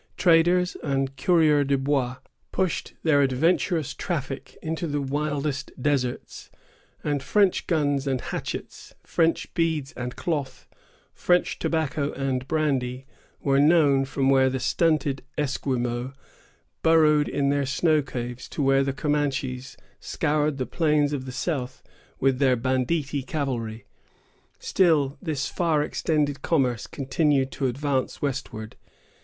Traders, and coureurs de bois pushed their adventurous traffic into the wildest deserts; and French guns and hatchets, French beads and cloth, French tobacco and brandy, were known from where the stunted Esquimaux burrowed in their snow caves, to where the Camanches scoured the plains of the south with their banditti cavalry. Still this far extended commerce continued to advance westward.